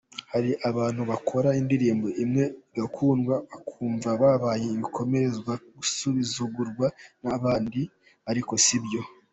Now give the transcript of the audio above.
Hari abantu bakora indirimbo imwe igakundwa bakumva babaye ibikomerezwa bagasuzugura abandi, ariko sibyo.